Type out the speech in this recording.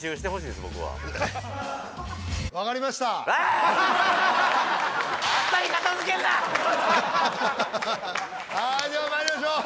ではまいりましょう。